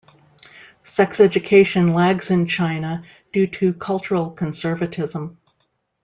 Sex education lags in China due to cultural conservatism.